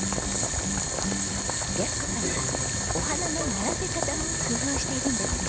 安子さんはお花の並べ方も工夫しているんですよ。